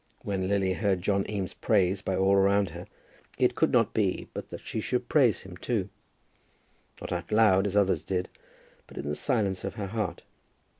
When Lily heard John Eames praised by all around her, it could not be but that she should praise him too, not out loud, as others did, but in the silence of her heart.